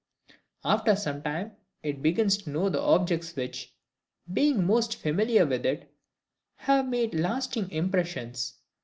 After some time it begins to know the objects which, being most familiar with it, have made lasting impressions.